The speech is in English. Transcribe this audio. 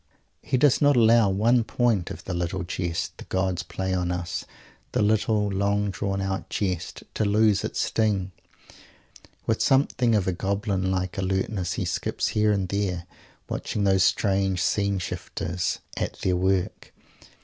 He does not allow one point of the little jest the gods play on us the little long drawn out jest to lose its sting. With something of a goblin like alertness he skips here and there, watching those strange scene shifters at their work.